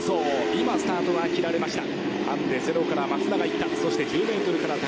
今、スタートが切られました。